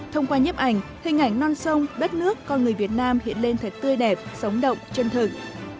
thông qua nhếp ảnh hình ảnh non sông đất nước con người việt nam hiện lên thật tươi đẹp sống động chân thực